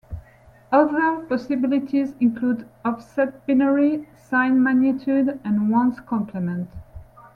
Other possibilities include offset binary, sign-magnitude, and ones' complement.